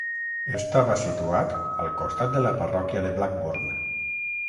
Estava situat al costat de la parròquia de Blackburn.